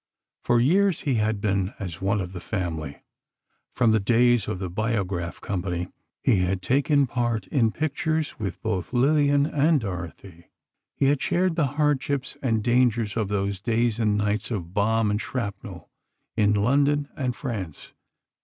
For years, he had been as one of the family. From the days of the Biograph company, he had taken part in pictures with both Lillian and Dorothy; he had shared the hardships and dangers of those days and nights of bomb and shrapnel, in London and France.